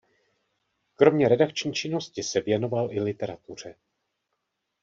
Kromě redakční činnosti se věnoval i literatuře.